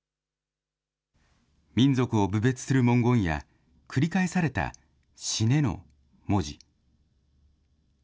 民族を侮蔑する文言や、繰り返された死ねの文字。